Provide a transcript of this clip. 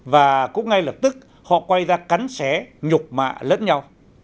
và cũng ngay lập tức họ quay ra cắn xé nhục mạ lẫn nhau